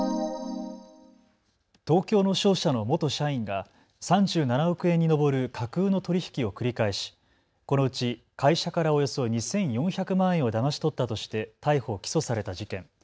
東京の商社の元社員が３７億円に上る架空の取り引きを繰り返し、このうち会社からおよそ２４００万円をだまし取ったとして逮捕・起訴された事件。